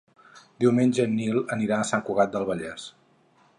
Diumenge en Nil anirà a Sant Cugat del Vallès.